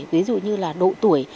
ví dụ như là độ tuổi